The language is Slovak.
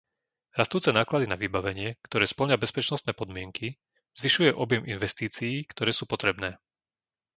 Rastúce náklady na vybavenie, ktoré spĺňa bezpečnostné podmienky, zvyšuje objem investícií, ktoré sú potrebné.